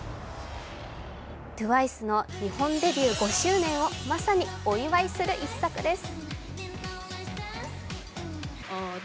ＴＷＩＣＥの日本デビュー５周年をまさにお祝いする１作です。